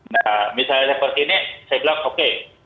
nah misalnya seperti ini saya bilang oke